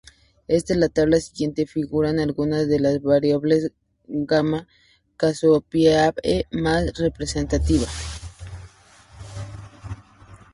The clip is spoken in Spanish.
En la tabla siguiente figuran algunas de las variables Gamma Cassiopeiae más representativas.